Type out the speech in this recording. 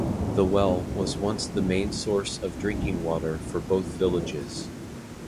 The well was once the main source of drinking water for both villages.